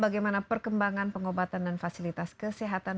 bagaimana perkembangan pengobatan dan fasilitas kesehatan